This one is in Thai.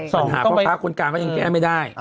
ปัญหาพ่อค้าคนกลางก็ยังแก้ไม่ได้